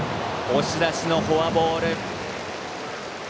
押し出しのフォアボール。